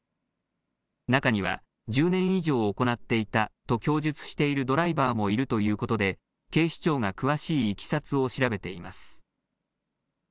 中には１０年以上行っていたと供述しているドライバーもいるということで警視庁が詳しいいきさつを調べています。